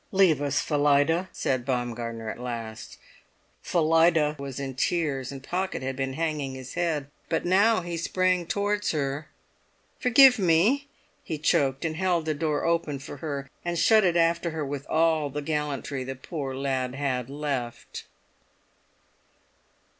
"Leave us, Phillida," said Baumgartner at last. Phillida was in tears, and Pocket had been hanging his head; but now he sprang towards her. "Forgive me!" he choked, and held the door open for her, and shut it after her with all the gallantry the poor lad had left.